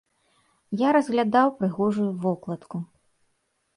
Я разглядаў прыгожую вокладку.